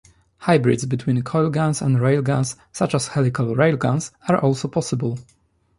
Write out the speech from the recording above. Hybrids between coilguns and railguns such as helical railguns are also possible.